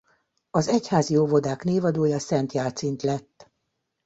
Az egyházi óvodák névadója Szent Jácint lett.